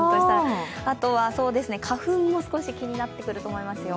あとは、花粉も少し気になってくると思いますよ。